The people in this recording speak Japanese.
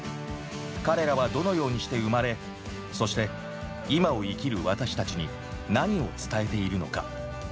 彼らはどのようにして生まれそして今を生きる私たちに何を伝えているのか。